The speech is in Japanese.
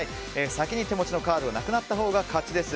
先に手持ちのカードがなくなったほうが勝ちです。